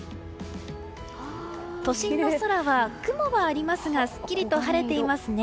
都心の空は雲はありますがすっきりと晴れていますね。